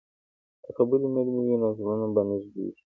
که خبرې نرمې وي، نو زړونه به نږدې شي.